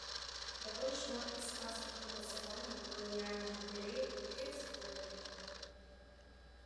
Даволі шмат іспанскіх умацаванняў каланіяльнага перыяду былі разбураныя.